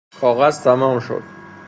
کاغذ تمام شد.